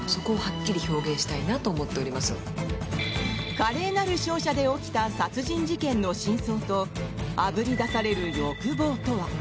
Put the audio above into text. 華麗なる商社で起きた殺人事件の真相とあぶり出される欲望とは。